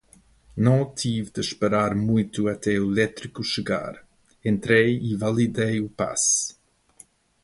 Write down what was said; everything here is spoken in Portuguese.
Não tive de esperar muito até o elétrico chegar. Entrei e validei o passe.